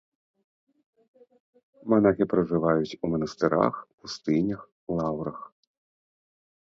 Манахі пражываюць у манастырах, пустынях, лаўрах.